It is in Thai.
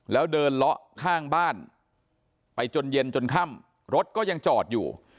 แล้วเดินเลาะข้างบ้านไปจนเย็นจนค่ำรถก็ยังจอดอยู่